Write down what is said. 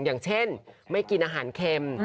อย่างเช่นไม่กินอาหารเค็ม